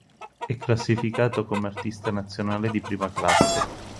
È classificato come artista nazionale di prima classe.